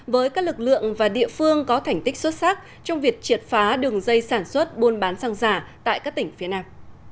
với các lực lượng và địa phương có thành tích xuất sắc trong việc triệt phá đường dây sản xuất buôn bán xăng giả tại các tỉnh phía nam